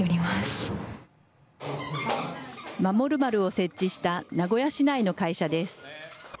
設置した名古屋市内の会社です。